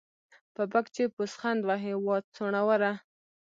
په پک چې پوسخند وهې ، وا څوڼوره.